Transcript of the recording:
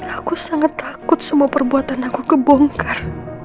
aku sangat takut semua perbuatan aku kebongkar